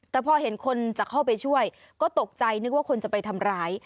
แต่พอเห็นคนจะเข้าไปช่วยก็ตกใจนึกว่าคนจะไปทำร้าย